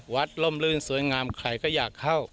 ล่มลื่นสวยงามใครก็อยากเข้า